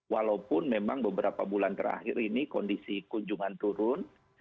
walaupun memang beberapa bulan terakhir ini kondisi kunjungan turun